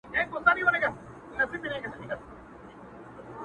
• ارغوان پر سرو لمنو د کابل درته لیکمه ,